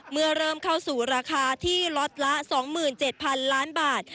เมื่อเริ่มเข้าสู่ราคาที่ล็อตละ๒๗๐๐๐ล้านบาท